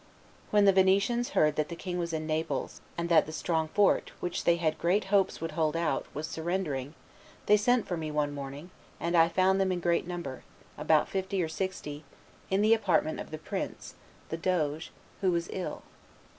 ... When the Venetians heard that the king was in Naples, and that the strong fort, which they had great hopes would hold out, was surrendered, they sent for me one morning, and I found them in great number, about fifty or sixty, in the apartment of the prince (the doge) who was ill.